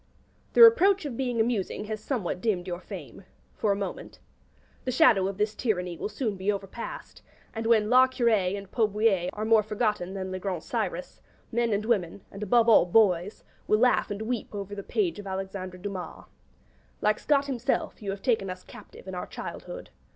The reproach of being amusing has somewhat dimmed your fame for a moment. The shadow of this tyranny will soon be overpast; and when 'La Curée and 'Pot Bouillé are more forgotten than 'Le Grand Cyrus,' men and women and, above all, boys will laugh and weep over the page of Alexandre Dumas. Like Scott himself, you take us captive in our childhood.